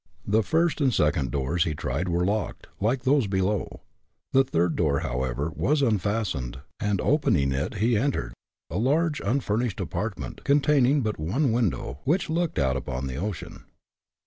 The first and second doors he tried were locked, like those below. The third door, however, was unfastened, and opening it he entered a large unfurnished apartment, containing but one window, which looked out upon the ocean.